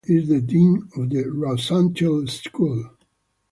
Doctor Otis Brown is the Dean of the Rosenstiel School.